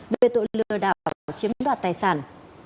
về tội lừa đảo chiếm đoạt tài sản